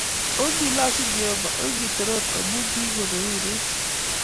Ongelosu Jehovah, ongetoror amu kikoberurech